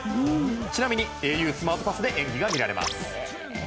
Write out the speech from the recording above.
ちなみにａｕスマートパスで演技が見られます。